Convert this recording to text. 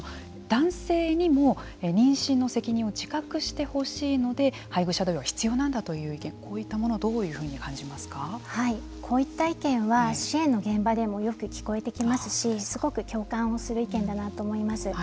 男性にも妊娠の責任を自覚してほしいので配偶者同意は必要なんだこういったものはどういうふうにこういった意見は支援の現場でもよく聞こえてきますしすごく共感をする意見だなと思います。